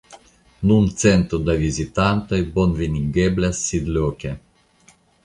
Nun cento da vizitantoj bonvenigeblas sidloke.